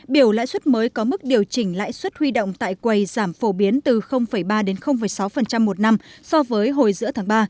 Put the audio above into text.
biểu lãi suất mới có mức điều chỉnh lãi suất huy động tại quầy giảm phổ biến từ ba đến sáu một năm so với hồi giữa tháng ba